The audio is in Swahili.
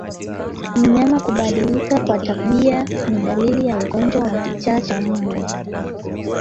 Mnyama kubadilika kwa tabia ni dalili ya ugonjwa wa kichaa cha mbwa